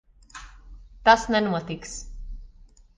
Tas nenotiks.